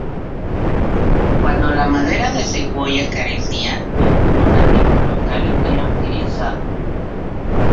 Cuándo la madera de secuoya carecía, el pino nativo local era utilizado.